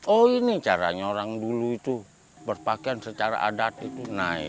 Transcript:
oh ini caranya orang dulu itu berpakaian secara adat itu naik